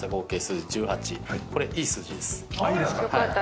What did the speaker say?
いいですか。